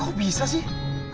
kok bisa sih